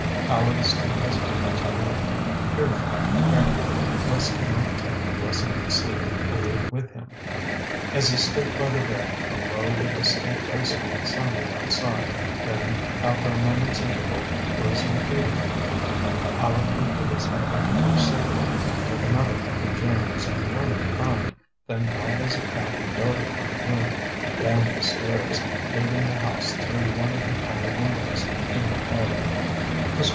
Aleck still hesitated to leave, fearful, apparently, lest he might take the blessed sleep away with him. As he stood by the bed, a low but distinct whistle sounded outside, then, after a moment's interval, was repeated. Aleck lifted his head at the first signal, took another look at James and one at Hand, then light as a cat he darted from the room and down the stairs, leaving the house through one of the tall windows in the parlor. Mr.